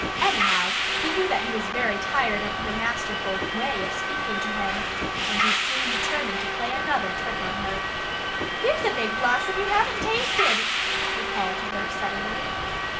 Anyhow, he knew that he was very tired of her masterful way of speaking to him. And he soon determined to play another trick on her. "Here's a big blossom you haven't tasted!" he called to her suddenly.